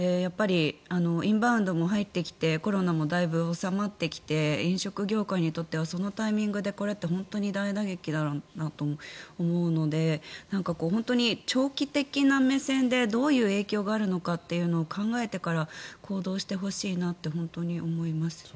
インバウンドも入ってきてコロナもだいぶ収まってきて飲食業界にとってはそのタイミングでこれって本当に大打撃だろうなと思うので本当に長期的な目線でどういう影響があるのかということを考えてから行動してほしいなと本当に思います。